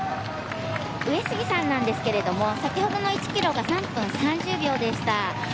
上杉さんなんですけど先ほどの１キロが３分３０秒でした。